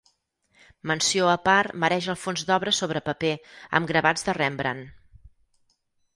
Menció a part mereix el fons d'obra sobre paper, amb gravats de Rembrandt.